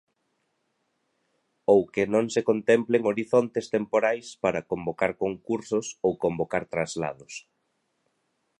Ou que non se contemplen horizontes temporais para convocar concursos ou convocar traslados.